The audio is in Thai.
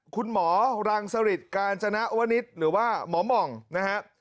คุณหมอรังสริตการชนะอัวนิสหรือว่าหมอหม่องนะฮะ